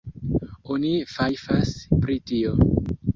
Oni fajfas pri tio.